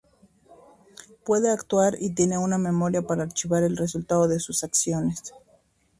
Puede actuar, y tiene una memoria para archivar el resultado de sus acciones.